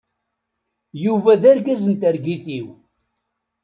Yuba d argaz n targit-iw.